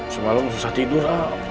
semalam susah tidur